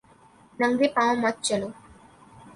ننگے پاؤں مت چلو